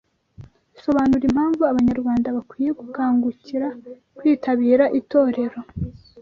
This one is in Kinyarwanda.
Sobanura impamvu Abanyarwanda bakwiye gukangukira kwitabira itorero